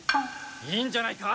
いいんじゃないか。